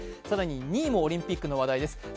更に２位もオリンピックの話題です